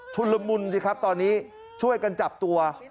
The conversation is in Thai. ละมุนสิครับตอนนี้ช่วยกันจับตัว